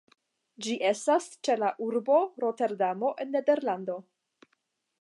Ĝi estas ĉe la urbo Roterdamo en Nederlando.